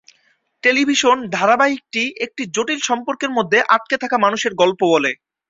Television ধারাবাহিকটি একটি জটিল সম্পর্কের মধ্যে আটকে থাকা মানুষের গল্প বলে।